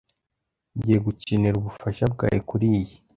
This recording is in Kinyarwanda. Ngiye gukenera ubufasha bwawe kuriyi